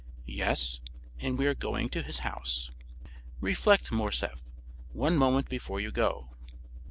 "Yes; and we are going to his house." "Reflect, Morcerf, one moment before you go."